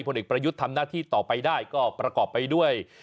ผลเอกประยุทธ์ทำหน้าที่ต่อไปได้ก็ประกอบไปด้วย